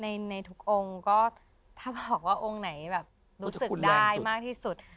แต่ในทุกเอลงก็ถ้าบอกว่าเอลงไหนรู้สึกได้มากที่สุด